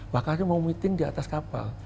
bahkan dia mau meeting di atas kapal